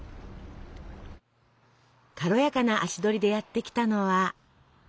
軽やかな足取りでやって来たのは？